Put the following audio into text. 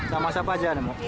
sama siapa aja